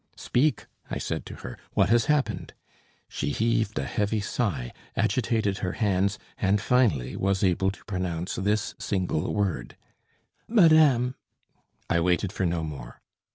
"Speak!" I said to her. "What has happened?" She heaved a heavy sigh, agitated her hands, and finally was able to pronounce this single word: "Madame " I waited for no more.